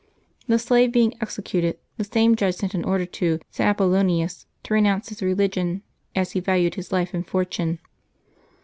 The slave being executed, the same judge sent an order to St. Apollonius to renounce his religion as he valued his life and fortune.